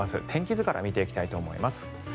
天気図から見ていきたいと思います。